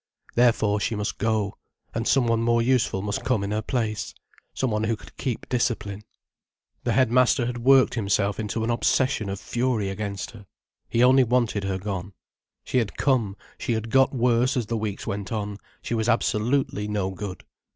Therefore she must go, and someone more useful must come in her place, someone who could keep discipline. The headmaster had worked himself into an obsession of fury against her. He only wanted her gone. She had come, she had got worse as the weeks went on, she was absolutely no good.